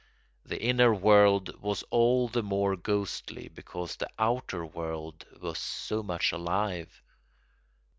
The inner world was all the more ghostly because the outer world was so much alive.